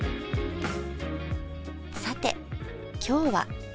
さて今日は。